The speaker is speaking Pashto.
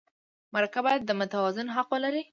مرکه باید متوازن حق ولري.